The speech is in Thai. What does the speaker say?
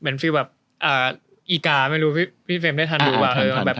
ฟิลแบบอีกาไม่รู้พี่เฟรมได้ทันหรือเปล่า